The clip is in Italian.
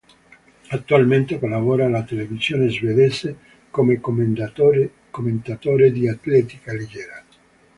Attualmente collabora alla televisione svedese come commentatore di atletica leggera.